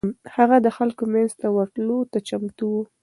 هغه د خلکو منځ ته ورتلو ته چمتو و.